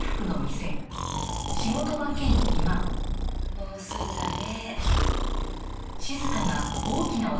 もうすぐだね。